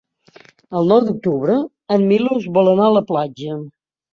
El nou d'octubre en Milos vol anar a la platja.